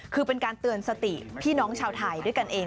คือเป็นการเตือนสติพี่น้องชาวไทยด้วยกันเอง